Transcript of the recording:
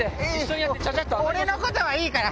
俺のことはいいから！